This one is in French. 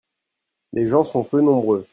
Les gens sont peu nombreux.